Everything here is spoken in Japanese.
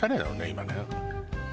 今ね